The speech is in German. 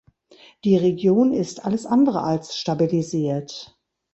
Die Region ist alles andere als stabilisiert.